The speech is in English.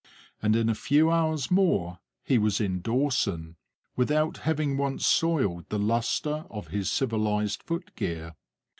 And in a few hours more he was in Dawson, without having once soiled the lustre of his civilized foot gear.